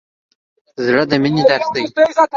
زړه د مینې درس دی.